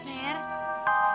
sampai jumpa lagi